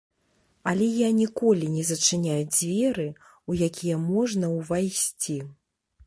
Але я ніколі не зачыняю дзверы, у якія можна ўвайсці.